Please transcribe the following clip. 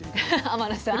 天野さん？